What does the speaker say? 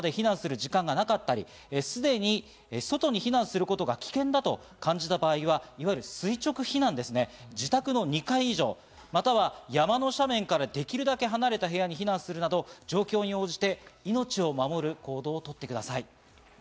安全な場所まで避難すると時間がなかったり、すでに外に避難することが危険だと感じた場合には、いわゆる垂直避難、自宅の２階以上、または山の斜面からできるだけ離れた部屋に避難するなど状況に応じて命を守る行動を取ってください。